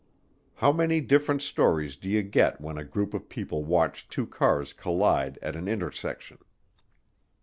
How many different stories do you get when a group of people watch two cars collide at an intersection?